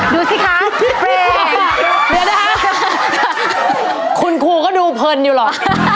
ดูสิค่ะเปลี่ยนเดี๋ยวนะครับคุณครูก็ดูเพลินอยู่หรอก